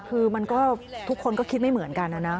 คือมันก็ทุกคนก็คิดไม่เหมือนกันนะ